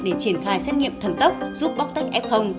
để triển khai xét nghiệm thần tốc giúp bóc tách f